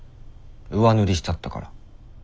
上塗りしちゃったから。